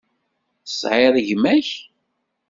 Tesεiḍ gma-k?